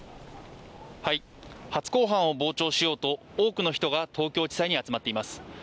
初公判を傍聴しようと多くの人が東京地裁に集まっています。